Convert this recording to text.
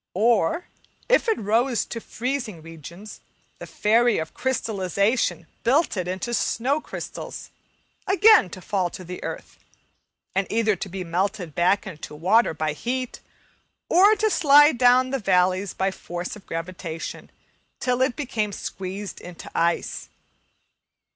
Or, if it rose to freezing regions, the fairy of "crystallization" built it up into snow crystals, again to fall to the earth, and either to be melted back into water by heat, or to slide down the valleys by force of gravitation, till it became squeezed into ice.